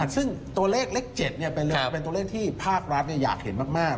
ซึ่งตัวเลขเลข๗เป็นตัวเลขที่ภาครัฐอยากเห็นมาก